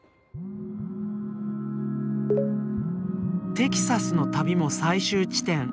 テキサスの旅も最終地点。